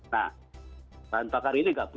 nah bahan bakar ini enggak berbeda